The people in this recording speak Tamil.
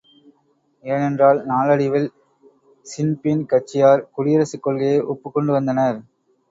ஏனென்றால் நாளடைவில் ஸின்பீன் கட்சியார் குடியரசுக் கொள்கையை ஒப்புகொண்டு வந்தனர்.